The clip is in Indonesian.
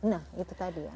nah itu tadi ya